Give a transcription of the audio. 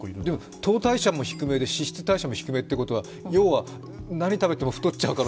糖代謝も低めで、脂質代謝も低めということは要は何食べても太っちゃうと。